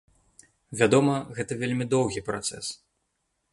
Вядома, гэта вельмі доўгі працэс.